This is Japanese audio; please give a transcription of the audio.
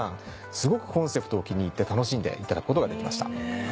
すごくコンセプトを気に入って楽しんでいただくことができました。